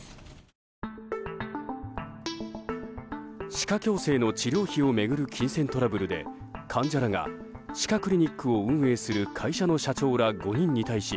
歯科矯正の治療費を巡る金銭トラブルで患者らが、歯科クリニックを運営する会社の社長ら５人に対し